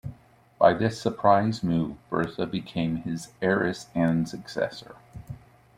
By this surprise move Bertha became his heiress and successor.